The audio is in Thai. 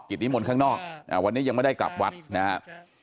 กิจนิมนต์ข้างนอกวันนี้ยังไม่ได้กลับวัดนะครับ